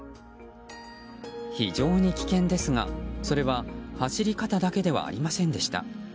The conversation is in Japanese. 非常に危険ですが、それは走り方だけではありませんでした。